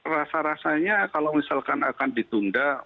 rasa rasanya kalau misalkan akan ditunda